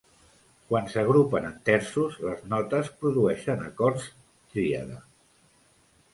Quan s'agrupen en terços, les notes produeixen acords tríada.